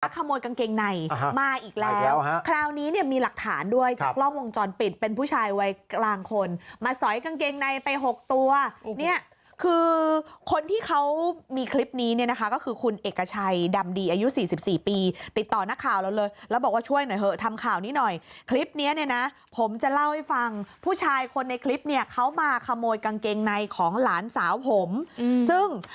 ขโมยกางเกงในมาอีกแล้วคราวนี้เนี่ยมีหลักฐานด้วยจากกล้องวงจรปิดเป็นผู้ชายวัยกลางคนมาสอยกางเกงในไปหกตัวเนี่ยคือคนที่เขามีคลิปนี้เนี่ยนะคะก็คือคุณเอกชัยดำดีอายุสี่สิบสี่ปีติดต่อนักข่าวเราเลยแล้วบอกว่าช่วยหน่อยเถอะทำข่าวนี้หน่อยคลิปเนี้ยนะผมจะเล่าให้ฟังผู้ชายคนในคลิปเนี่ยเขามาขโมยกางเกงในของหลานสาวผมซึ่ง